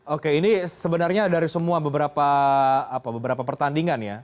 oke ini sebenarnya dari semua beberapa pertandingan ya